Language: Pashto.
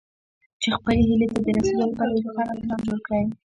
چې خپلې هيلې ته د رسېدو لپاره يو روښانه پلان جوړ کړئ.